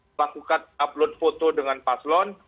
melakukan upload foto dengan paslon